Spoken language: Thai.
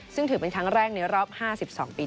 ซึ่งถือเป็นครั้งแรกในรอบ๕๒ปี